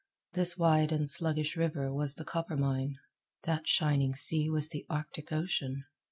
This wide and sluggish river was the Coppermine. That shining sea was the Arctic Ocean.